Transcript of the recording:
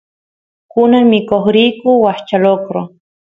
kunan mikoq riyku washcha lokro